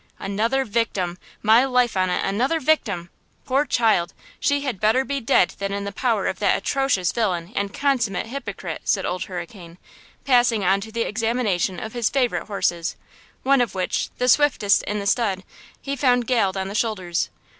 "Another victim! My life on it–another victim! Poor child! She had better be dead than in the power of that atrocious villain and consummate hypocrite!" said Old Hurricane, passing onto the examination of his favorite horses, one of which, the swiftest in the stud, he found galled on the shoulders.